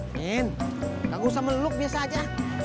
min tak usah meluk biasa aja